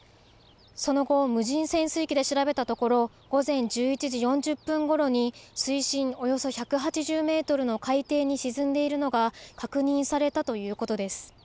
その後、無人潜水機で調べたところ、午前１１時４０分ごろに水深およそ１８０メートルの海底に沈んでいるのが確認されたということです。